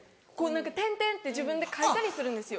点々って自分で描いたりするんですよ。